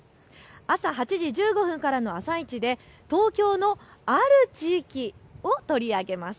朝８時１５分からのあさイチで東京のある地域を取り上げます。